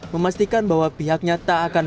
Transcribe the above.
memastikan bahwa pihaknya tak akan